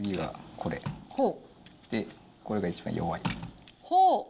これが一番弱い。